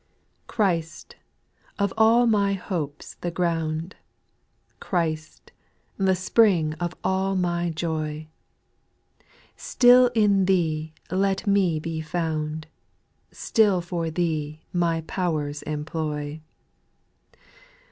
/^HRIST, of all my hopes the ground, \J Chnst, the spring of all my joy I Still in Thee let me be found, Still for Thee my powers employ.